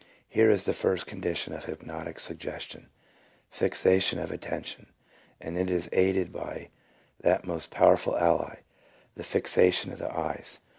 Here is the first condition of hypnotic suggestion — fixation of attention, and it is aided by that most powerful ally, the fixation of the eyes.